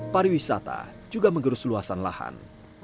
pariwisata juga mengerus luasan lahan